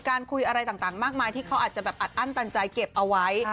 คุยอะไรต่างมากมายที่เขาอาจจะแบบอัดอั้นตันใจเก็บเอาไว้